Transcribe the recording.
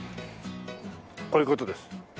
こういう事です。